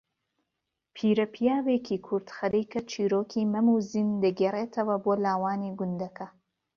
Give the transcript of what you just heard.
پیرەپیاوێکی کورد خەریکە چیرۆکی مەم و زین دەگێڕەتەوە بۆ لاوانی گوندەکە